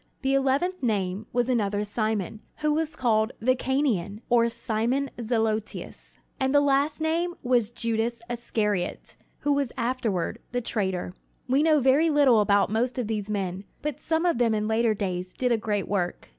The eleventh name was another Simon, who was called "the Cananean" or "Simon Zelotes"; and the last name was Judas Iscariot, who was afterward the traitor. We know very little about most of these men, but some of them in later days did a great work.